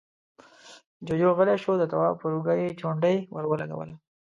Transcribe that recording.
جُوجُو غلی شو، د تواب پر اوږه يې چونډۍ ور ولګوله: